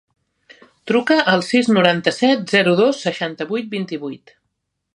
Truca al sis, noranta-set, zero, dos, seixanta-vuit, vint-i-vuit.